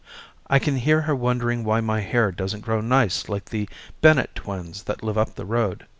I can hear her wondering why my hair doesn't grow nice like the Bennet twins that live up the road.